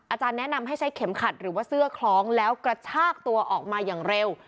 แนะนำให้ใช้เข็มขัดหรือว่าเสื้อคล้องแล้วกระชากตัวออกมาอย่างเร็ว